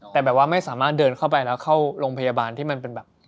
แต่แบบว่าไม่สามารถเดินเข้าไปแล้วเข้าโรงพยาบาลที่มันเป็นแบบ